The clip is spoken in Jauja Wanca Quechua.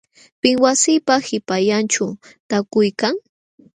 ¿Pim wasiipa qipallanćhu taakuykan.?